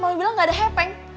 mau bilang gak ada hepeng